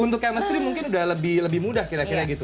untuk chemistry mungkin udah lebih mudah kira kira gitu